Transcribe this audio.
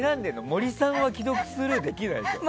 森さんは既読スルーできないでしょ？